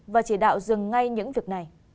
và chỉ đạo dừng ngay những việc này